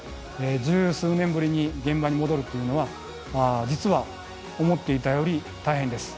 十数年ぶりに現場に戻るっていうのは実は思っていたより大変です。